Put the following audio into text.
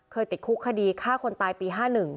ติดคุกคดีฆ่าคนตายปี๕๑